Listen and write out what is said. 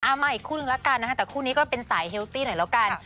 มาอีกคู่นึงละกันนะคะแต่คู่นี้ก็เป็นสายเฮลตี้หน่อยแล้วกัน